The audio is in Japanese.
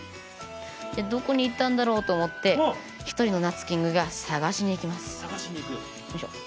どこにいったんだろうと思って、１人のなつキングが探しにいきます。